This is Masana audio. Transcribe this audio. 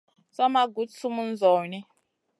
Sa ma guɗ sumun zawni.